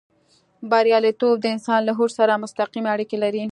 برياليتوب د انسان له هوډ سره مستقيمې اړيکې لري.